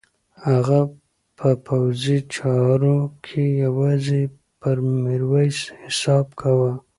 هغه په پوځي چارو کې یوازې پر میرویس حساب کاوه.